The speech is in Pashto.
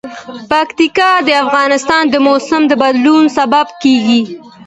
پکتیکا د افغانستان د موسم د بدلون سبب کېږي.